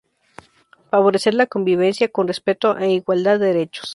Favorecer la convivencia, con respeto e igualdad de derechos.